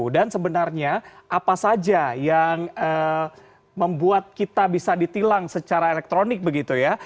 dan sebenarnya apa saja yang membuat kita bisa ditilang secara elektronik begitu ya